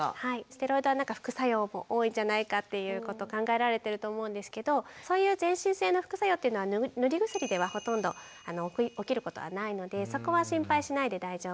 ステロイドは副作用も多いんじゃないかということ考えられてると思うんですけどそういう全身性の副作用というのは塗り薬ではほとんど起きることはないのでそこは心配しないで大丈夫です。